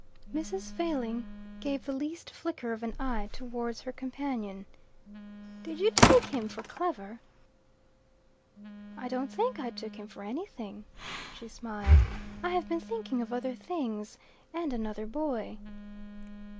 Mrs. Failing gave the least flicker of an eye towards her companion. "Did you take him for clever?" "I don't think I took him for anything." She smiled. "I have been thinking of other things, and another boy."